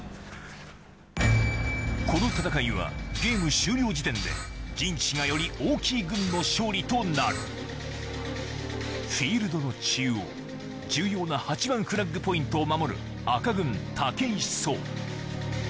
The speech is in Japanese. この戦いはゲーム終了時点で陣地がより大きい軍の勝利となるフィールドの中央重要な８番フラッグポイントを守る赤軍・武井壮